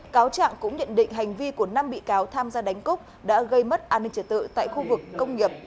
cáo trạng cũng nhận định hành vi của năm bị cáo tham gia đánh cúc đã gây mất an ninh trở tự tại khu vực công nghiệp